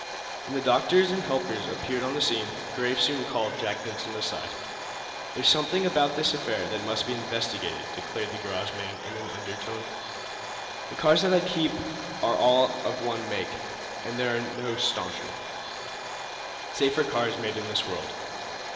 When the doctors and helpers appeared on the scene Graves soon called Jack Benson aside. "There's something about this affair that must be investigated," declared the garage man, in an undertone. "The cars that I keep are all of one make, and there are no stauncher, safer cars made in the world.